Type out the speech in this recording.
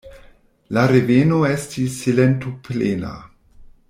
La reveno estis silentoplena.